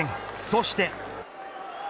そして。